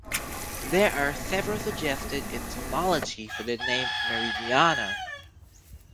There are several suggested etymology for the name "Mariniana".